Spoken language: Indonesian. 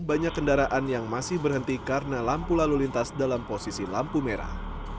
banyak kendaraan yang masih berhenti karena lampu lalu lintas dalam posisi lampu merah